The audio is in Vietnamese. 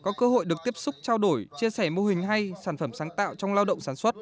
có cơ hội được tiếp xúc trao đổi chia sẻ mô hình hay sản phẩm sáng tạo trong lao động sản xuất